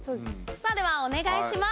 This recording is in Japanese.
さぁではお願いします！